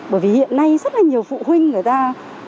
bởi vì hiện nay rất là nhiều phụ huynh người ta lo lắng